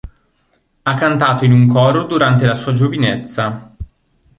Ha cantato in un coro durante la sua giovinezza.